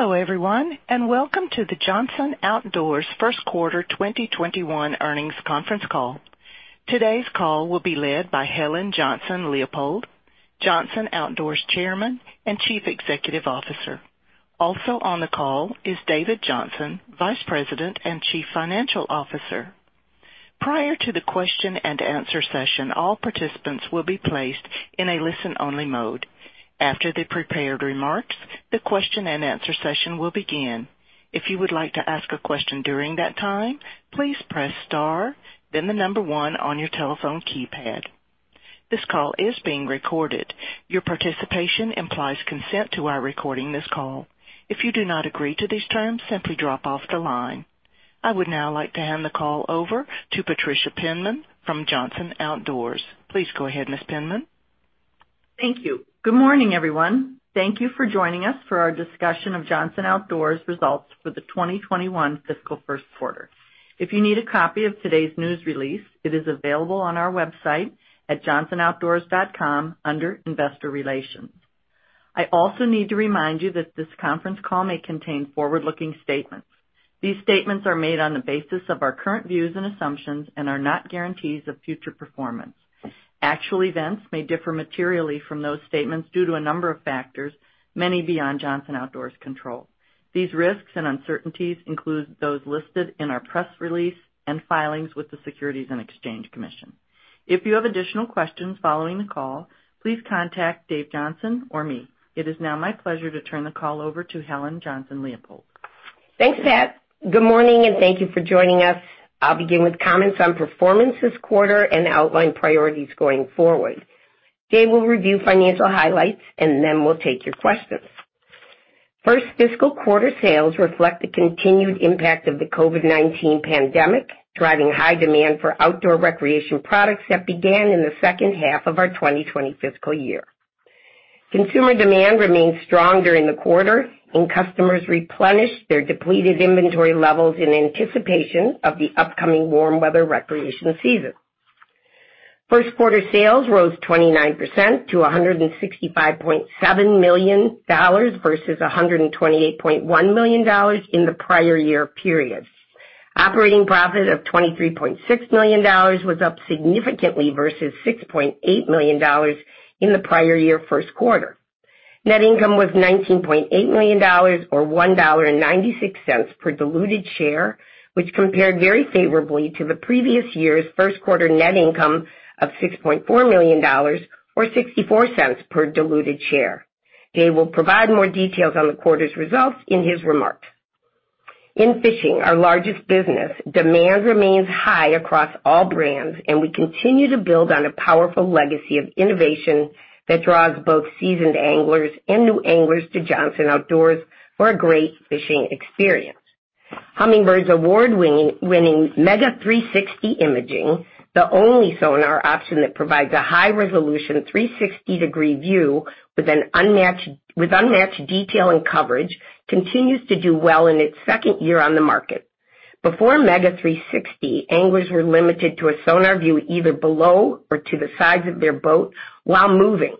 Hello, everyone, and welcome to the Johnson Outdoors Q1 2021 earnings conference call. Today's call will be led by Helen Johnson-Leipold, Johnson Outdoors Chairman and Chief Executive Officer. Also on the call is David Johnson, Vice President and Chief Financial Officer. Prior to the question-and-answer session, all participants will be placed in a listen-only mode. After the prepared remarks, the question-and-answer session will begin. If you would like to ask a question during that time, please press star, then the number one on your telephone keypad. This call is being recorded. Your participation implies consent to our recording this call. If you do not agree to these terms, simply drop off the line. I would now like to hand the call over to Patricia Penman from Johnson Outdoors. Please go ahead, Ms. Penman. Thank you. Good morning, everyone. Thank you for joining us for our discussion of Johnson Outdoors results for the 2021 fiscal Q1. If you need a copy of today's news release, it is available on our website at johnsonoutdoors.com under Investor Relations. I also need to remind you that this conference call may contain forward-looking statements. These statements are made on the basis of our current views and assumptions and are not guarantees of future performance. Actual events may differ materially from those statements due to a number of factors, many beyond Johnson Outdoors' control. These risks and uncertainties include those listed in our press release and filings with the Securities and Exchange Commission. If you have additional questions following the call, please contact Dave Johnson or me. It is now my pleasure to turn the call over to Helen Johnson-Leipold. Thanks, Pat. Good morning, and thank you for joining us. I'll begin with comments on performance this quarter and outline priorities going forward. Dave will review financial highlights, and then we'll take your questions. First fiscal quarter sales reflect the continued impact of the COVID-19 pandemic, driving high demand for outdoor recreation products that began in the H2 of our 2020 fiscal year. Consumer demand remained stronger in the quarter and customers replenished their depleted inventory levels in anticipation of the upcoming warm weather recreation season. Q1 sales rose 29% to $165.7 million versus $128.1 million in the prior year period. Operating profit of $23.6 million was up significantly versus $6.8 million in the prior year Q1. Net income was $19.8 million, or $1.96 per diluted share, which compared very favorably to the previous year's Q1 net income of $6.4 million or $0.64 per diluted share. Dave will provide more details on the quarter's results in his remarks. In fishing, our largest business, demand remains high across all brands, and we continue to build on a powerful legacy of innovation that draws both seasoned anglers and new anglers to Johnson Outdoors for a great fishing experience. Humminbird's award-winning MEGA 360 Imaging, the only sonar option that provides a high-resolution 360-degree view with unmatched detail and coverage, continues to do well in its second year on the market. Before MEGA 360, anglers were limited to a sonar view either below or to the sides of their boat while moving.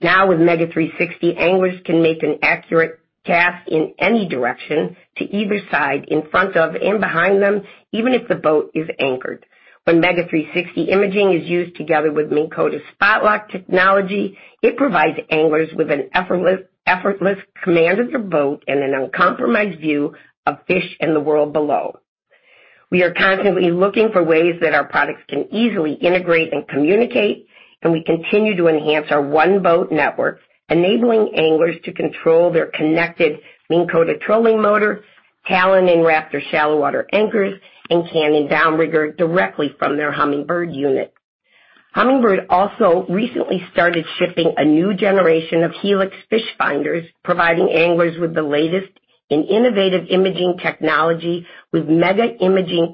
Now with MEGA 360, anglers can make an accurate cast in any direction to either side in front of and behind them, even if the boat is anchored. When MEGA 360 Imaging is used together with Minn Kota's Spot-Lock technology, it provides anglers with an effortless command of their boat and an uncompromised view of fish and the world below. We are constantly looking for ways that our products can easily integrate and communicate. We continue to enhance our One-Boat Network, enabling anglers to control their connected Minn Kota trolling motor, Talon and Raptor shallow water anchors, and Cannon downrigger directly from their Humminbird unit. Humminbird also recently started shipping a new generation of HELIX fish finders, providing anglers with the latest in innovative imaging technology with MEGA Imaging+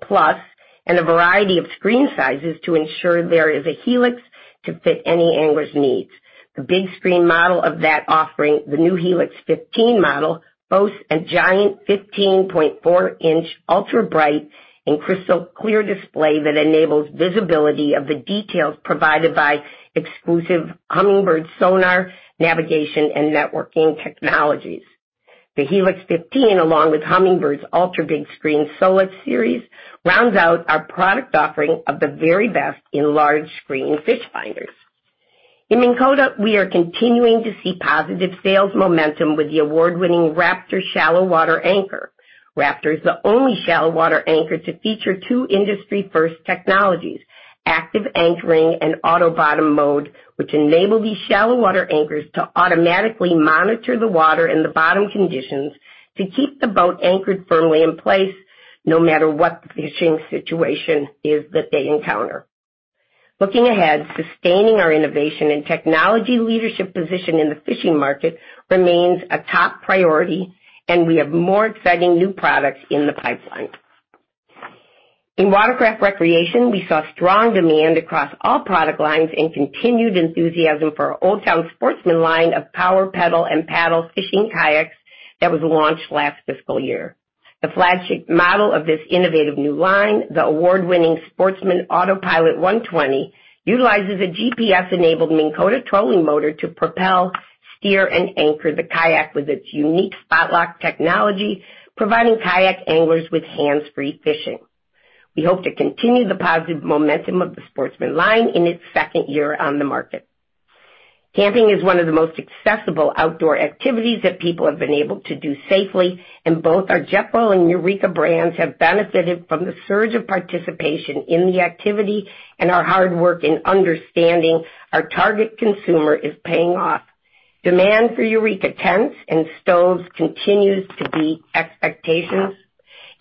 and a variety of screen sizes to ensure there is a HELIX to fit any angler's needs. The big screen model of that offering, the new HELIX 15 model, boasts a giant 15.4-inch ultra-bright and crystal clear display that enables visibility of the details provided by exclusive Humminbird sonar navigation and networking technologies. The HELIX 15, along with Humminbird's ultra big screen SOLIX series, rounds out our product offering of the very best in large screen fish finders. In Minn Kota, we are continuing to see positive sales momentum with the award-winning Raptor shallow water anchor. Raptor is the only shallow water anchor to feature two industry-first technologies, Active Anchoring and Auto Bottom Mode, which enable these shallow water anchors to automatically monitor the water and the bottom conditions to keep the boat anchored firmly in place, no matter what the fishing situation is that they encounter. Looking ahead, sustaining our innovation and technology leadership position in the fishing market remains a top priority, and we have more exciting new products in the pipeline. In Watercraft Recreation, we saw strong demand across all product lines and continued enthusiasm for our Old Town Sportsman line of power, pedal, and paddle fishing kayaks that was launched last fiscal year. The flagship model of this innovative new line, the award-winning Sportsman AutoPilot 120, utilizes a GPS-enabled Minn Kota trolling motor to propel, steer, and anchor the kayak with its unique Spot-Lock technology, providing kayak anglers with hands-free fishing. We hope to continue the positive momentum of the Sportsman line in its second year on the market. Camping is one of the most accessible outdoor activities that people have been able to do safely, and both our Jetboil and Eureka brands have benefited from the surge of participation in the activity and our hard work in understanding our target consumer is paying off. Demand for Eureka tents and stoves continues to beat expectations.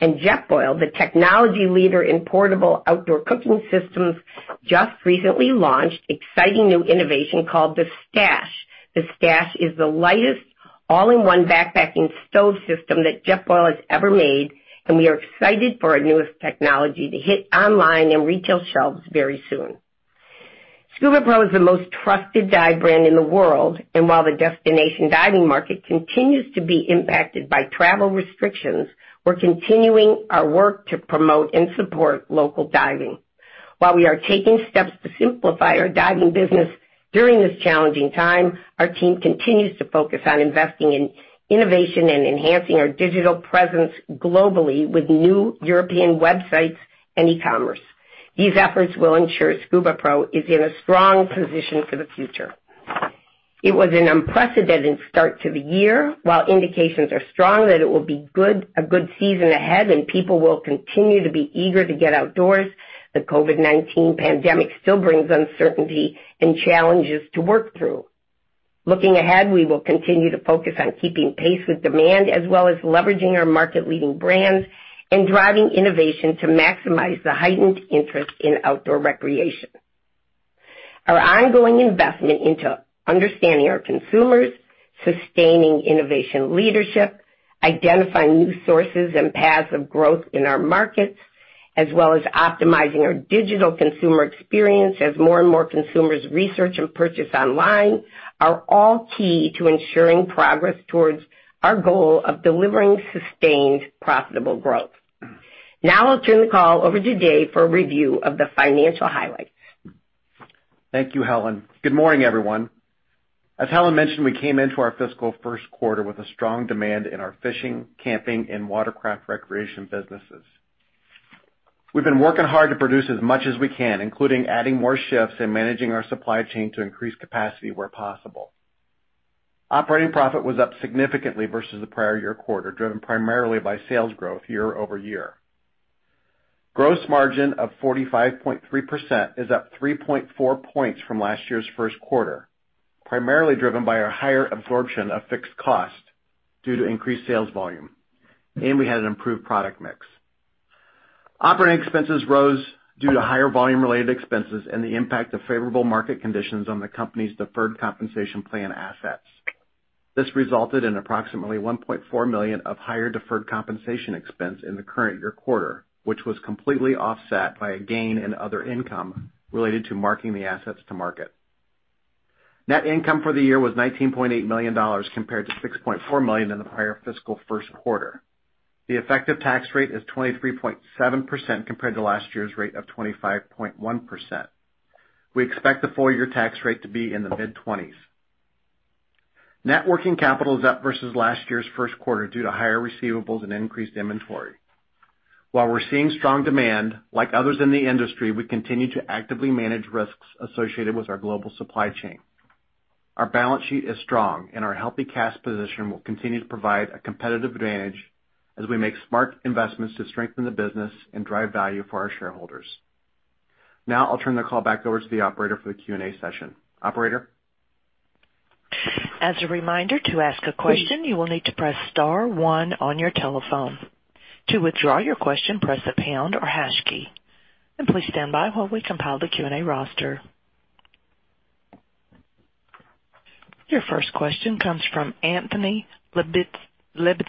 Jetboil, the technology leader in portable outdoor cooking systems, just recently launched exciting new innovation called the Stash. The Stash is the lightest all-in-one backpacking stove system that Jetboil has ever made, and we are excited for our newest technology to hit online and retail shelves very soon. SCUBAPRO is the most trusted dive brand in the world, and while the destination diving market continues to be impacted by travel restrictions, we're continuing our work to promote and support local diving. While we are taking steps to simplify our diving business during this challenging time, our team continues to focus on investing in innovation and enhancing our digital presence globally with new European websites and e-commerce. These efforts will ensure SCUBAPRO is in a strong position for the future. It was an unprecedented start to the year. While indications are strong that it will be a good season ahead and people will continue to be eager to get outdoors, the COVID-19 pandemic still brings uncertainty and challenges to work through. Looking ahead, we will continue to focus on keeping pace with demand, as well as leveraging our market-leading brands and driving innovation to maximize the heightened interest in outdoor recreation. Our ongoing investment into understanding our consumers, sustaining innovation leadership, identifying new sources and paths of growth in our markets, as well as optimizing our digital consumer experience as more and more consumers research and purchase online, are all key to ensuring progress towards our goal of delivering sustained profitable growth. Now I'll turn the call over to Dave for a review of the financial highlights. Thank you, Helen. Good morning, everyone. As Helen mentioned, we came into our fiscal Q1 with a strong demand in our fishing, camping, and watercraft recreation businesses. We've been working hard to produce as much as we can, including adding more shifts and managing our supply chain to increase capacity where possible. Operating profit was up significantly versus the prior year quarter, driven primarily by sales growth year-over-year. Gross margin of 45.3% is up 3.4 points from last year's Q1, primarily driven by our higher absorption of fixed cost due to increased sales volume. We had an improved product mix. Operating expenses rose due to higher volume-related expenses and the impact of favorable market conditions on the company's deferred compensation plan assets. This resulted in approximately $1.4 million of higher deferred compensation expense in the current year quarter, which was completely offset by a gain in other income related to marking the assets to market. Net income for the year was $19.8 million compared to $6.4 million in the prior fiscal Q1. The effective tax rate is 23.7% compared to last year's rate of 25.1%. We expect the full-year tax rate to be in the mid-20s. Net working capital is up versus last year's Q1 due to higher receivables and increased inventory. While we're seeing strong demand, like others in the industry, we continue to actively manage risks associated with our global supply chain. Our balance sheet is strong, and our healthy cash position will continue to provide a competitive advantage as we make smart investments to strengthen the business and drive value for our shareholders. Now I'll turn the call back over to the operator for the Q&A session. Operator? As a reminder, to ask a question, you will need to press star one on your telephone. To withdraw your question, press the pound or hash key. Please stand by while we compile the Q&A roster. Your first question comes from Anthony Lebiedzinski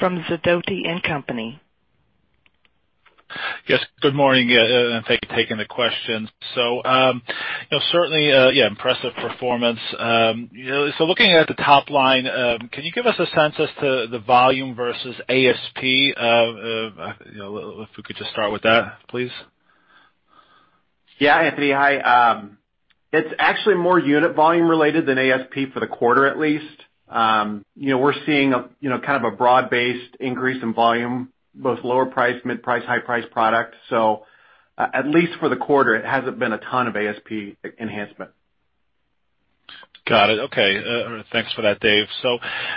from Sidoti & Company. Yes. Good morning. Thank you for taking the question. Certainly, yeah, impressive performance. Looking at the top line, can you give us a sense as to the volume versus ASP? If we could just start with that, please. Yeah, Anthony. It's actually more unit volume related than ASP for the quarter at least. We're seeing kind of a broad-based increase in volume, both lower price, mid-price, high price product. At least for the quarter, it hasn't been a ton of ASP enhancement. Got it. Okay. Thanks for that, Dave.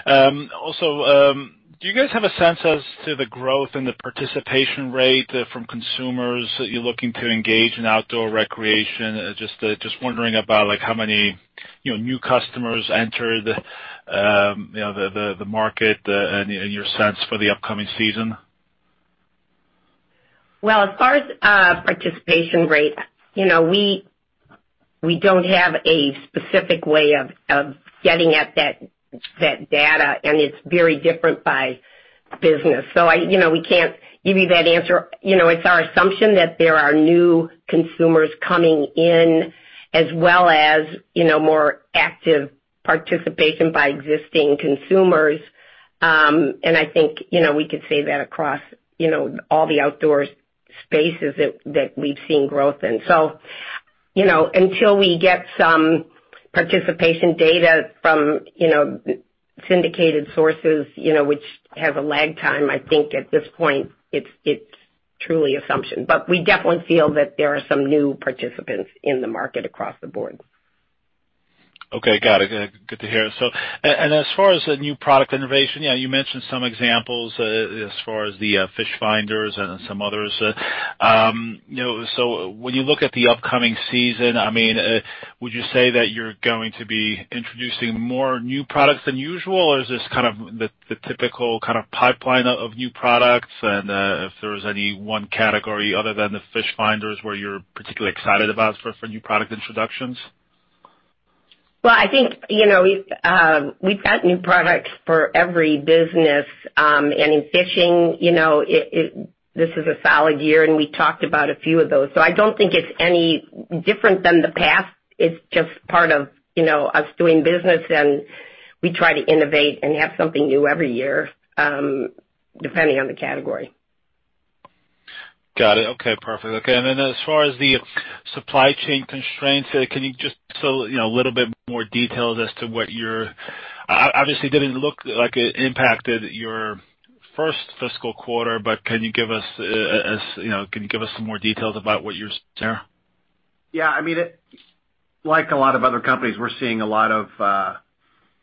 Also, do you guys have a sense as to the growth and the participation rate from consumers looking to engage in outdoor recreation? Just wondering about how many new customers entered the market, and your sense for the upcoming season. As far as participation rate, we don't have a specific way of getting at that data, and it's very different by business. We can't give you that answer. It's our assumption that there are new consumers coming in as well as more active participation by existing consumers. I think we could say that across all the outdoor spaces that we've seen growth in. Until we get some participation data from syndicated sources which have a lag time, I think at this point it's truly assumption. We definitely feel that there are some new participants in the market across the board. Okay. Got it. Good to hear. As far as the new product innovation, you mentioned some examples as far as the fish finders and some others. When you look at the upcoming season, would you say that you're going to be introducing more new products than usual, or is this kind of the typical kind of pipeline of new products? If there's any one category other than the fish finders where you're particularly excited about for new product introductions? Well, I think we've got new products for every business. In fishing, this is a solid year, and we talked about a few of those. I don't think it's any different than the past. It's just part of us doing business, and we try to innovate and have something new every year, depending on the category. Got it. Okay, perfect. As far as the supply chain constraints, can you just give a little bit more details. Obviously, didn't look like it impacted your first fiscal quarter, but can you give us some more details about what you're seeing there? Yeah, like a lot of other companies, we're seeing a lot of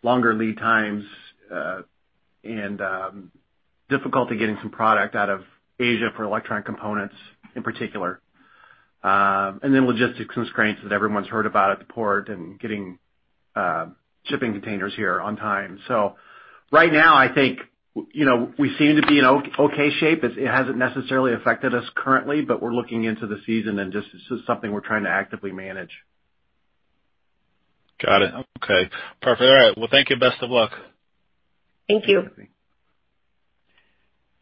longer lead times and difficulty getting some product out of Asia for electronic components in particular. Logistics constraints that everyone's heard about at the port and getting shipping containers here on time. Right now, I think we seem to be in okay shape. It hasn't necessarily affected us currently, but we're looking into the season, and this is something we're trying to actively manage. Got it. Okay. Perfect. All right. Well, thank you. Best of luck. Thank you.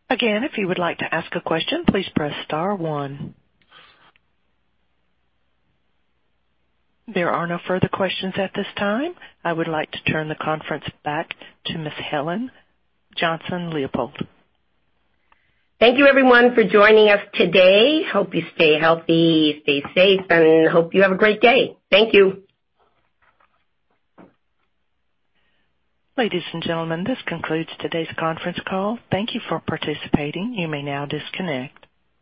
Again, if you would like to ask a question, please press star one. There are no further questions at this time. I would like to turn the conference back to Ms. Helen Johnson-Leipold. Thank you everyone for joining us today. Hope you stay healthy, stay safe, and hope you have a great day. Thank you. Ladies and gentlemen, this concludes today's conference call. Thank you for participating. You may now disconnect.